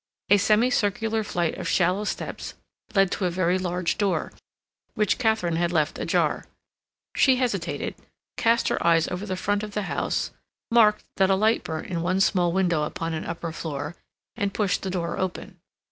A semicircular flight of shallow steps led to a very large door, which Katharine had left ajar. She hesitated, cast her eyes over the front of the house, marked that a light burnt in one small window upon an upper floor, and pushed the door open.